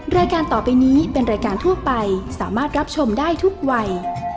รายการต่อไปนี้เป็นรายการทั่วไปสามารถรับชมได้ทุกวัย